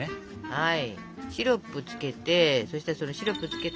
はい！